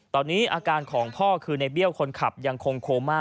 ตอนนี้อาการของพ่อคือในเบี้ยวคนขับยังคงโคม่า